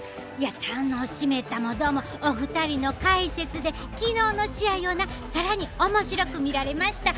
楽しめたも何もお二人の解説で、昨日の試合をさらにおもしろく見られました。